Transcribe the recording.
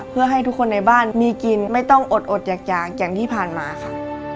เพื่อให้ทุกคนในบ้านมีกินไม่ต้องอดอดอยากอย่างที่ผ่านมาค่ะ